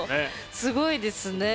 すごいですねえ。